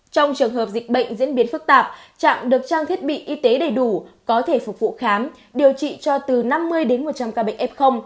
trong trường hợp dịch bệnh diễn biến phức tạp trạm được trang thiết bị y tế đầy đủ có thể phục vụ khám điều trị cho từ năm mươi đến một trăm linh ca bệnh f